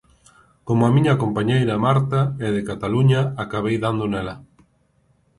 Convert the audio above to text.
Como a miña compañeira, Marta, é de Cataluña... acabei dando nela.